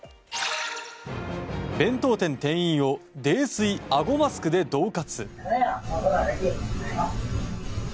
弁当店店員を泥酔あごマスクで恫喝。